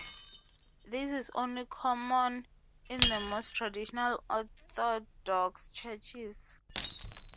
This is only common in the most traditional Orthodox churches.